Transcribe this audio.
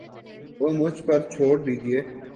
یہ مجھ پر چھوڑ دیجئے